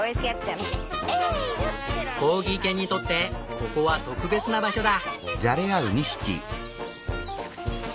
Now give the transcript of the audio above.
コーギー犬にとってここは特別な場所だ。